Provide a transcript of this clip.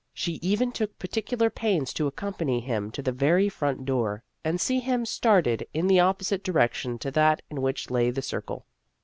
She even took particular pains to accompany him to the very front door, and see him started in the opposite direction to that in which lay the Circle.